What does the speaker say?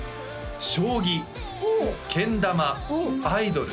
将棋けん玉アイドル